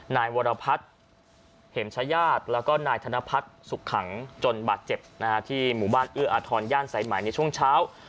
นายวรพัฒน์เห็มชายาศแล้วก็นายธนพัฒน์สุขขังจนบาดเจ็บที่หมู่บ้านเอื้ออาทรย่านสายไหมในช่วงเช้า